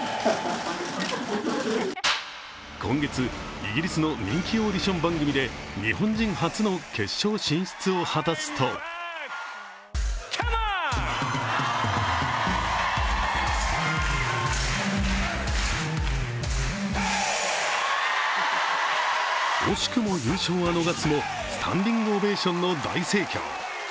今月、イギリスの人気オーディション番組で、日本人初の決勝進出を果たすと惜しくも優勝は逃すもスタンディングオベーションの大盛況。